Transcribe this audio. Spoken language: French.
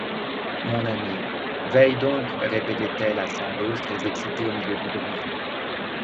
Mon ami, veille donc, répétait-elle à Sandoz, très excité au milieu du bruit.